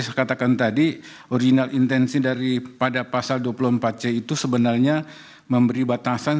saya katakan tadi original intensi daripada pasal dua puluh empat c itu sebenarnya memberi batasan